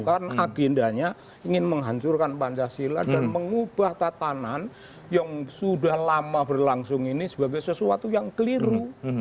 karena agendanya ingin menghancurkan pancasila dan mengubah tatanan yang sudah lama berlangsung ini sebagai sesuatu yang keliru